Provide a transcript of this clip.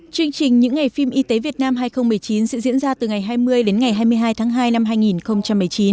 chương trình những ngày phim y tế việt nam hai nghìn một mươi chín sẽ diễn ra từ ngày hai mươi đến ngày hai mươi hai tháng hai năm hai nghìn một mươi chín